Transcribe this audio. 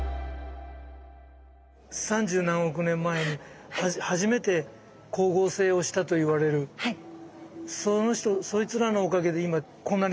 三十何億年前に初めて光合成をしたといわれるそいつらのおかげで今こんなに酸素がたくさんある。